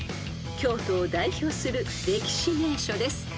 ［京都を代表する歴史名所です］